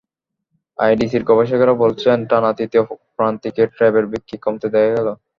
আইডিসির গবেষকেরা বলছেন, টানা তৃতীয় প্রান্তিকে ট্যাবের বিক্রি কমতে দেখা গেল।